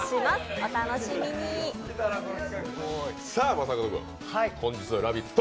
正門君、本日は「ラヴィット！」